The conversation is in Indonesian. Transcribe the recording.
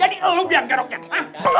jadi lu biang kaya rokeh